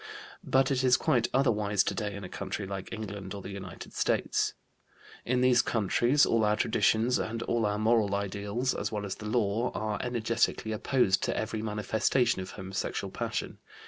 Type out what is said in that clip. But it is quite otherwise today in a country like England or the United States. In these countries all our traditions and all our moral ideals, as well as the law, are energetically opposed to every manifestation of homosexual passion.